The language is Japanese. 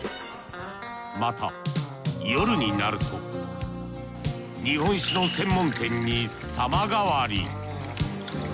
また夜になると日本酒の専門店に様変わり。